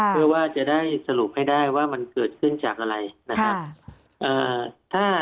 เพื่อว่าจะได้สรุปให้ได้ว่ามันเกิดขึ้นจากอะไรนะครับ